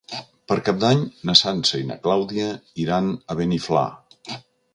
Per Cap d'Any na Sança i na Clàudia iran a Beniflà.